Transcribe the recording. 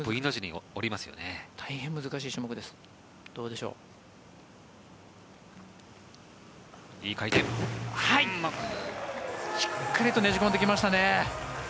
しっかりとねじ込んできましたね。